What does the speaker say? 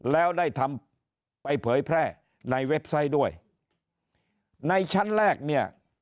แล้วได้ทำไปเผยแพร่ในเว็บไซต์ด้วยในชั้นแรกเนี่ย